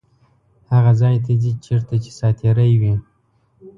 هغه ځای ته ځي چیرته چې ساعتېرۍ وي.